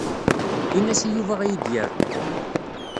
Ini-as i Yuba ad iyi-d-yaru.